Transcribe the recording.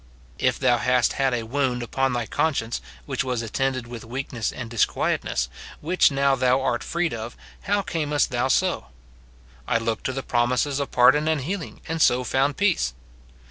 If thou hast had a wound upon thy conscience, which was attended with weakness and disquietness, which now thou art freed of, how camest thou so ? "I looked to the promises of pardon and healing, and so found peace."